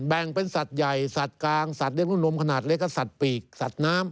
แบ่งเป็นสัตว์ใหญ่สัตว์กลางสัตว์เลี้ยรุ่นลมขนาดเล็กก็สัตว์ปีกสัตว์น้ำ